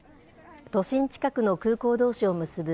都心近くの空港どうしを結ぶ